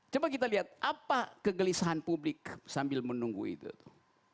coba kita lihat apa kegelisahan publik sambil menunggu itu tuh